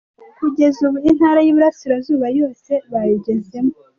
Kugeza ubu, Intara y’Iburasirazuba yose bayigezemo.